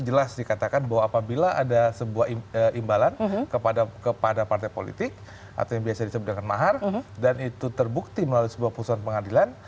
jelas dikatakan bahwa apabila ada sebuah imbalan kepada partai politik atau yang biasa disebut dengan mahar dan itu terbukti melalui sebuah putusan pengadilan